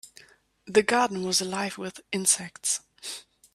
The garden was alive with insects.